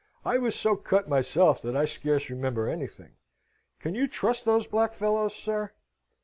I was so cut myself that I scarce remember anything. Can you trust those black fellows, sir?"